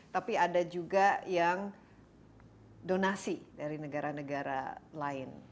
tapi ada juga yang donasi dari negara negara lain